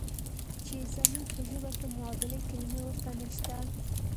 چې زموږ په ژبه کې معادلې کلمې ورته نشته.